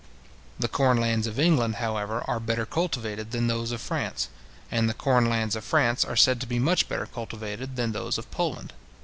The corn lands of England, however, are better cultivated than those of France, and the corn lands of France are said to be much better cultivated than those of Poland.